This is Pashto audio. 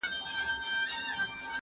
زه اجازه لرم چي سیر وکړم!؟